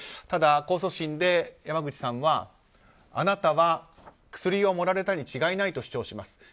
ただ、控訴審で山口さんはあなたは薬を盛られたに違いないと主張します。